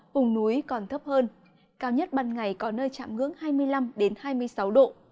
vùng núi còn thấp hơn cao nhất ban ngày có nơi chạm ngưỡng hai mươi năm hai mươi sáu độ